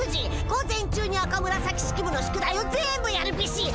午前中に赤紫式部の宿題を全部やるビシッ！